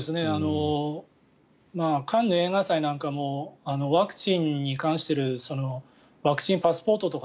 カンヌ映画祭なんかもワクチンに関してワクチンパスポートとか